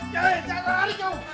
jangan lari kau